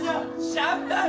シャンパン。